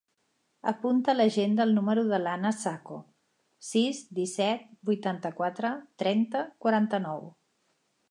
Apunta a l'agenda el número de l'Ana Saco: sis, disset, vuitanta-quatre, trenta, quaranta-nou.